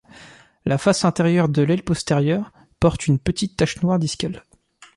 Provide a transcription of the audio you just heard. La face inférieure de l'aile postérieure porte une petite tache noire discale.